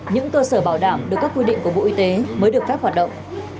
những cơ sở bảo đảm được các quy định của bộ y tế mới được phép hoạt động